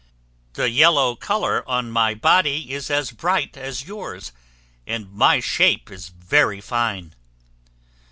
The yellow color on my body is as bright as yours, and my shape is very fine."